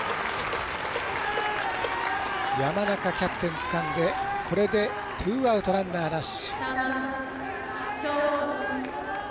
山中キャプテンつかんでツーアウト、ランナーなし。